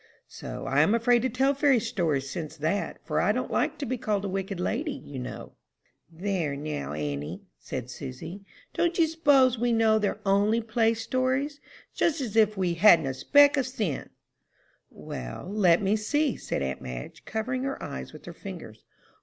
"So I am afraid to tell fairy stories since that, for I don't like to be called a wicked lady, you know." "There, now, auntie," said Susy, "don't you s'pose we know they're only play stories? Just as if we hadn't a speck of sense!" "Well, let me see," said aunt Madge, covering her eyes with her fingers.